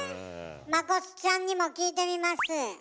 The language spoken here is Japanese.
まこっさんにも聞いてみます。